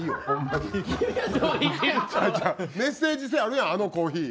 メッセージ性あるやんあのコーヒー。